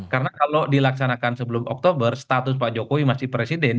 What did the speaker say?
karena kalau dilaksanakan sebelum oktober status pak jokowi masih presiden